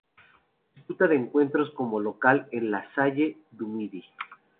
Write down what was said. Disputa sus encuentros como local en la "Salle Du Midi".